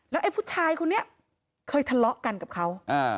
ไอ้ผู้ชายคนนี้เคยทะเลาะกันกับเขา